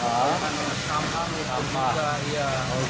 dari sana sampai ke jauh juga